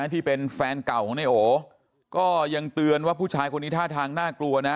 ที่เป็นแฟนเก่าของนายโอก็ยังเตือนว่าผู้ชายคนนี้ท่าทางน่ากลัวนะ